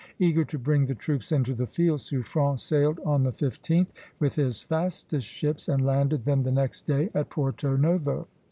Eager to bring the troops into the field, Suffren sailed on the 15th with his fastest ships, and landed them the next day at Porto Novo.